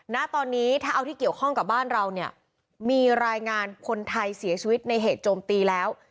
ณตอนนี้ถ้าเอาที่เกี่ยวข้องกับบ้านเราเนี่ยมีรายงานคนไทยเสียชีวิตในเหตุโจมตีแล้ว